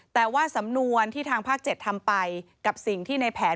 แต่ว่าสำนวนที่ทางภาค๗ทำไปกับสิ่งที่ในแผน